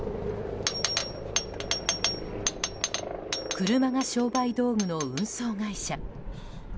車が商売道具の運送会社。